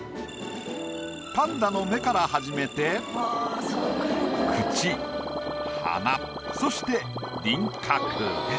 パンダの目から始めて口鼻そして輪郭。